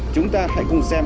chúng ta hãy cùng xem